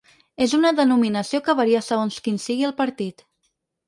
És una denominació que varia segons quin sigui el partit.